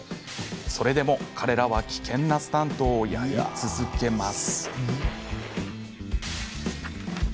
それでも彼らは危険なスタントをやり続けます。